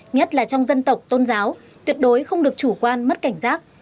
nhất là trong dân tộc tôn giáo tuyệt đối không được chủ quan mất cảnh giác